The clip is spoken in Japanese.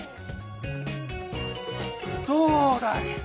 どうだい！